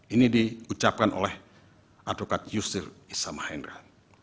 ini diucapkan oleh advokat yusri issam mahendra